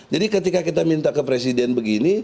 jadi ketika kita minta ke presiden begini